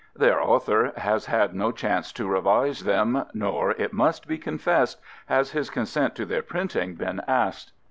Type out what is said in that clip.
Their author has had no chance to revise them, nor, it must be confessed, has his consent to their printing been asked.